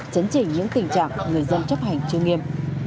chấn chỉnh những tình trạng người dân chấp hành chưa nghiêm